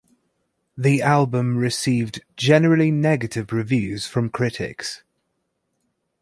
The album received generally negative reviews from critics.